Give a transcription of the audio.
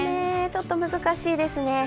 ちょっと難しいですね。